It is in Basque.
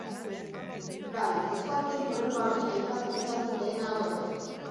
Bai, euskalkien problema hori aipatu izan dut lehenago ere.